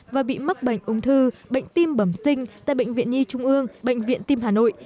và bị mắc bệnh ung thư bệnh tim bẩm sinh tại bệnh viện nhi trung ương bệnh viện tim hà nội